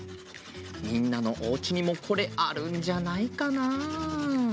みんなのおうちにもこれあるんじゃないかな。